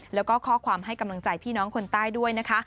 แล้วก็ข้อความให้กำลังใจพี่น้องคนใต้ด้วยนะคะ